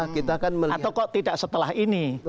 atau kok tidak setelah ini